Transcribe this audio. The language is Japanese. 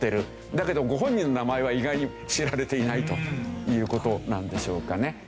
だけどご本人の名前は意外に知られていないという事なんでしょうかね。